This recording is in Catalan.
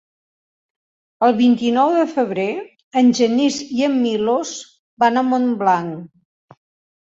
El vint-i-nou de febrer en Genís i en Milos van a Montblanc.